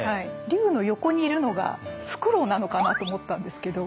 竜の横にいるのがふくろうなのかなと思ったんですけど。